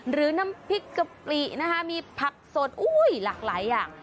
หรือน้ำพริกกะปรีมีผักสดหลากหลายอย่าง